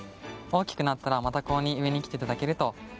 大きくなったらまたここに植えに来ていただけると。